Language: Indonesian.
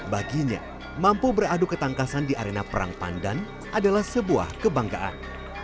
baginya mampu beradu ketangkasan di arena perang pandan adalah sebuah kebanggaan